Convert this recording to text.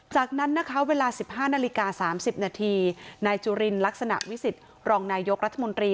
จากนั้นเวลา๑๕นาฬิกา๓๐นาทีนายจุรินร์ลักษณะวิสิตรองนายกรรธมนตรี